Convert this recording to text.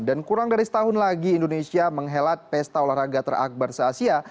dan kurang dari setahun lagi indonesia menghelat pesta olahraga terakbar se asia